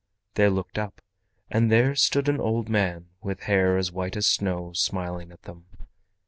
They looked up, and there stood an old man with hair as white as snow, smiling at them.